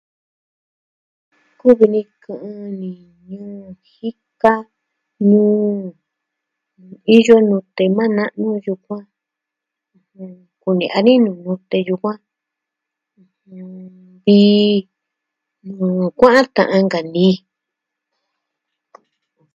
Kuvi ni kɨ'ɨn ni nuu jika, nuu iyo nute maa na'nu yukuan. Kune'ya ni nuu nute yukuan. Vee, nuu kua'an kɨ'ɨn nkanii.